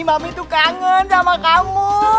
mami tuh kangen sama kamu